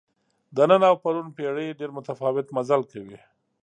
د نن او پرون پېړۍ ډېر متفاوت مزل کوي.